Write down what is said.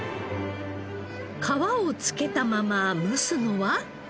皮をつけたまま蒸すのは？